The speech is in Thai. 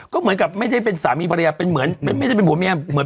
ก็เหมือนกับไม่ใช่เป็นสามีภรรยาเป็นเหมือนไม่ไม่ใช่เป็นหัวแม่